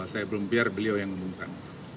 saya belum biar beliau yang umumkan